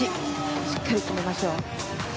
しっかり決めました。